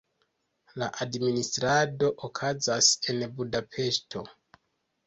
La administrado okazas en Budapeŝto.